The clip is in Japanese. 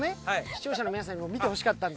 視聴者の皆さんにも見てほしかったんで。